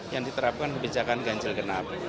yang diterapkan kebijakan ganjil genap